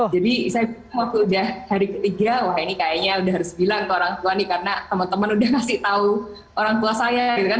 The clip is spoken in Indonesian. saya waktu udah hari ketiga wah ini kayaknya udah harus bilang ke orang tua nih karena teman teman udah ngasih tau orang tua saya gitu kan